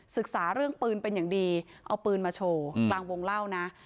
ศึกษาเรื่องปืนเป็นอย่างดีเอาปืนมาโชว์กลางวงเล่านะ